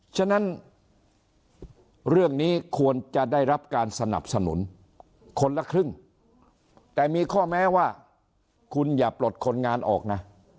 ฉะนั้นเรื่องนี้ควรจะได้รับการสนับสนุนคนละครึ่งแต่มีข้อแม้ว่าคุณอย่าปลดคนงานออกนะ